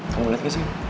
kamu liat gak sih